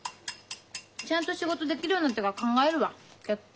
ちゃんと仕事できるようになってから考えるわ結婚。